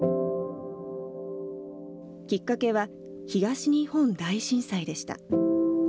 きっかけは、東日本大震災でした。